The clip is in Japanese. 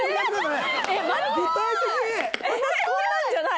私こんなんじゃない。